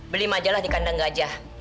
beli majalah di kandang gajah